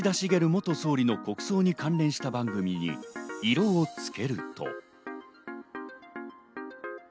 元総理の国葬に関連した番組に色をつけると。